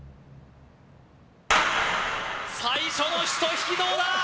最初の一引きどうだ？